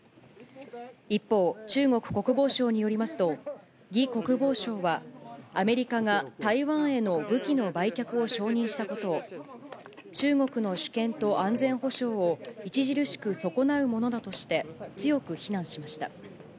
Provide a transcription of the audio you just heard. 一方、中国国防省によりますと、魏国防相は、アメリカが台湾への武器の売却を承認したことを、中国の主権と安全保障を著しく損なうものだとして、強く非難しました。